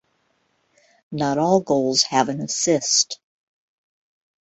Not all goals have an assist.